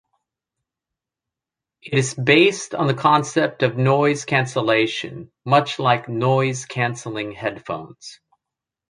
It is based on the concept of noise cancellation, much like noise-cancelling headphones.